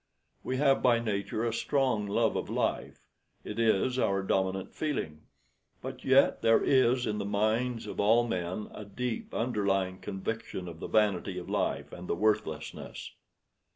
We have by nature a strong love of life it is our dominant feeling but yet there is in the minds of all men a deep underlying conviction of the vanity of life, and the worthlessness.